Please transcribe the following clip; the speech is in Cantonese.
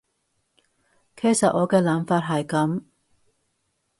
其實我嘅諗法係噉